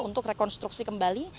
untuk rekonstruksi kembali